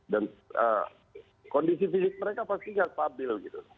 dan kondisi fisik mereka pasti tidak stabil